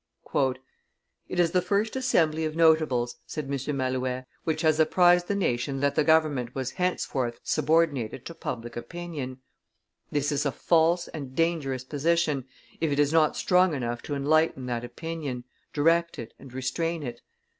"It is the first Assembly of notables," said M. Malouet, "which has apprised the nation that the government was henceforth subordinated to public opinion. "This is a false and dangerous position, if it is not strong enough to enlighten that opinion, direct it, and restrain it.